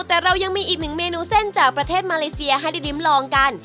แต่เรายังมีอีกหนึ่งเมนูเส้นจากประเทศมาเลเซียให้ได้ริมลองกัน